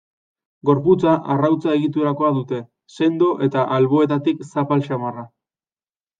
Gorputza arrautza egiturakoa dute, sendoa eta alboetatik zapal samarra.